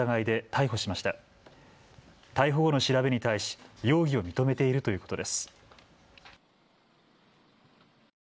逮捕後の調べに対し容疑を認めているということです。